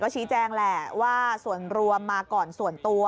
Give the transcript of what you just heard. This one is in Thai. ชี้แจงแหละว่าส่วนรวมมาก่อนส่วนตัว